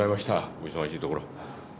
お忙しいところ。